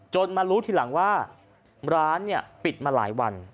มารู้ทีหลังว่าร้านปิดมาหลายวัน